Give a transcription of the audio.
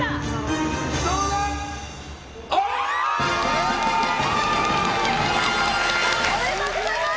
すごい！おめでとうございます！